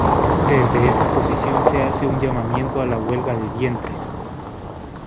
Desde esa posición se hace un llamamiento a la huelga de vientres.